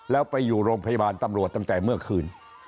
แล้วไปอยู่โรงพยาบาลตำรวจตั้งแต่เมื่อคืน